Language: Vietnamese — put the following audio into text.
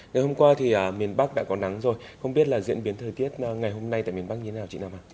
ngày hôm qua thì miền bắc đã có nắng rồi không biết là diễn biến thời tiết ngày hôm nay tại miền bắc như thế nào chị nam ạ